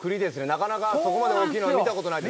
なかなかそこまで大きいのは、見たことないです。